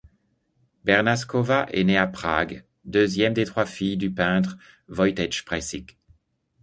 Bernášková est née à Prague, deuxième des trois filles du peintre Vojtěch Preissig.